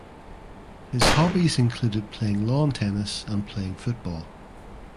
His hobbies included playing lawn tennis and playing football.